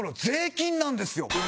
税金なんですよ。